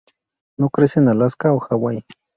No crece en Alaska o Hawai.